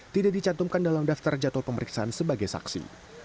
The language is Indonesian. tidak dicantumkan dalam daftar jadwal pemeriksaan sebagai saksi